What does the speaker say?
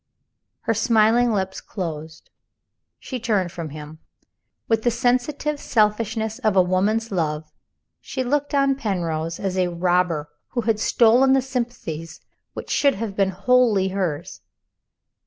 Her smiling lips closed; she turned from him. With the sensitive selfishness of a woman's love, she looked on Penrose as a robber who had stolen the sympathies which should have been wholly hers.